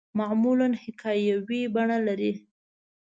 معمولاً حکایوي بڼه لري.